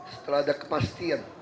setelah ada kepastian